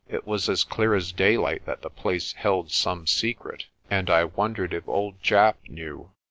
It was as clear as daylight that the place held some secret, and I wondered if old Japp knew.